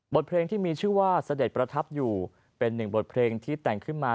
เพลงที่มีชื่อว่าเสด็จประทับอยู่เป็นหนึ่งบทเพลงที่แต่งขึ้นมา